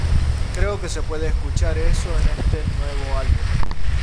Creo que se puede escuchar eso en este nuevo álbum.